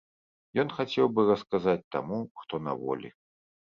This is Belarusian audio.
Ён хацеў бы расказаць таму, хто на волі.